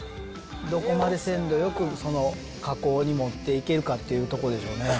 どこまで鮮度よく、加工にもっていけるかというところでしょうね。